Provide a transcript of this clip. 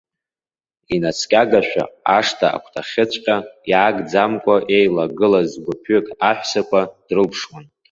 Инаскьагашәа, ашҭа агәҭахьыҵәҟьа иаагӡамкәа еилагылаз гәыԥҩык аҳәсақәа дрылԥшуан.